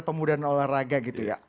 pemudahan olahraga gitu ya